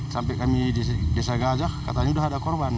sampai kami di desa gajah katanya sudah ada korban